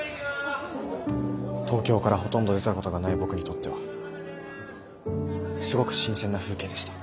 東京からほとんど出たことがない僕にとってはすごく新鮮な風景でした。